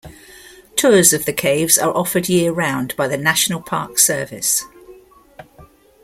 Tours of the caves are offered year round by the National Park Service.